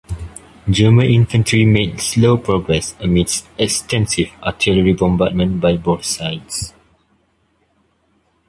German infantry made slow progress amidst extensive artillery bombardments by both sides.